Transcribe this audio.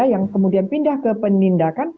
yang kemudian pindah ke penindakan